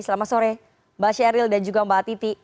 selamat sore mbak sheryl dan juga mbak titi